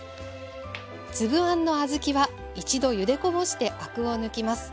粒あんの小豆は一度ゆでこぼしてアクを抜きます。